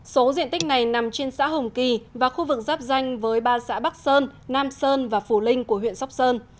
số diện tích này nằm trên xã hồng kỳ và khu vực giáp danh với ba xã bắc sơn nam sơn và phù linh của huyện sóc sơn